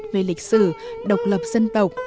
về lịch sử độc lập dân tộc